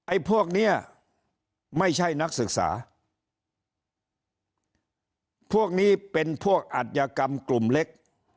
พวกเนี้ยไม่ใช่นักศึกษาพวกนี้เป็นพวกอัธยกรรมกลุ่มเล็ก